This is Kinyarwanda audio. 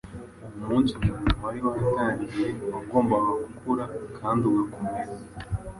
Uwo munsi umurimo wari watangiye wagombaga gukura kandi ugakomera.